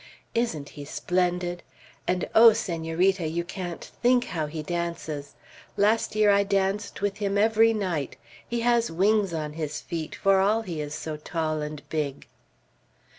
"Isn't he splendid? And oh, Senorita, you can't think how he dances! Last year I danced with him every night; he has wings on his feet, for all he is so tall and big."